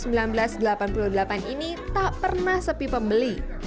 di mana ada berbagai jenis roti yang diperlukan oleh pilihan pilihan